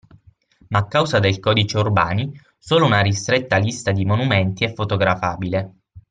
Ma a causa del Codice Urbani solo una ristretta lista di monumenti è fotografabile